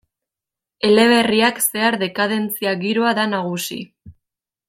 Eleberriak zehar dekadentzia giroa da nagusi.